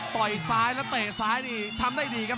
ยซ้ายแล้วเตะซ้ายนี่ทำได้ดีครับ